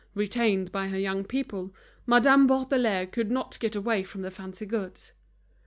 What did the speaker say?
Retained by her young people, Madame Bourdelais could not get away from the fancy goods.